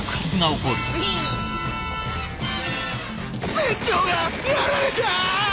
船長がやられた！